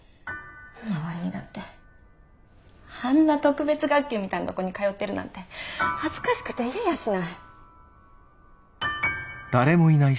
周りにだってあんな特別学級みたいなとこに通ってるなんて恥ずかしくて言えやしない。